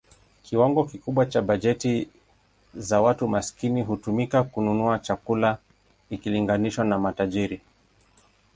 Kiwango kikubwa cha bajeti za watu maskini hutumika kununua chakula ikilinganishwa na matajiri.